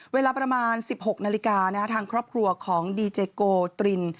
เวลาประมาณ๑๖นาฬิกาทางครอบครัวของดีเจโกตริน